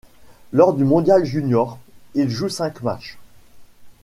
Lors du mondial junior, il joue cinq matchs.